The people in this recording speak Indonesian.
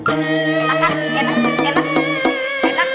enak enak enak